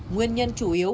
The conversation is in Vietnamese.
nguyên nhân chủ yếu